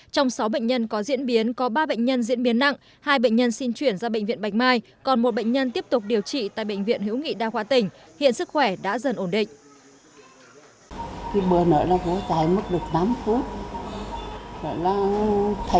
trong sáu bệnh nhân có diễn biến có ba bệnh nhân diễn biến nặng hai bệnh nhân xin chuyển ra bệnh viện bạch mai còn một bệnh nhân tiếp tục điều trị tại bệnh viện hữu nghị đa khoa tỉnh hiện sức khỏe đã dần ổn định